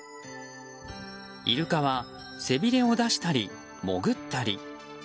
イルカは背びれを出したり潜ったり。